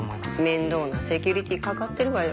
面倒なセキュリティーかかってるわよ。